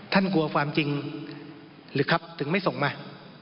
กลัวความจริงหรือครับถึงไม่ส่งมา